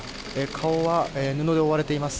顔は布で覆われています。